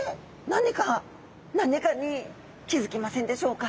何か何かに気付きませんでしょうか？